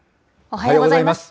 おはようございます。